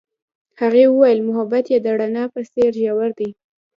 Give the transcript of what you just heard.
هغې وویل محبت یې د رڼا په څېر ژور دی.